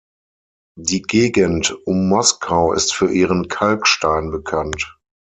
Die Gegend um Moskau ist für ihren Kalkstein bekannt.